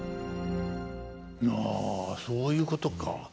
あそういうことか。